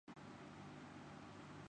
وحشت اورجنون کا مظاہرہ کرتا ہوں